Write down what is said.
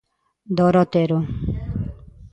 Dora Otero.